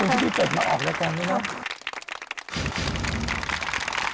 ขอบคุณพี่เป็ดมาออกแล้วกันนะครับ